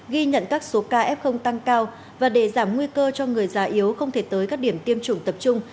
độ ca f tăng cao và để giảm nguy cơ cho người già yếu không thể tới các điểm tiêm chủng tập trung